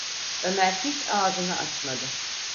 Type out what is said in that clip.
Ömer hiç ağzını açmadı.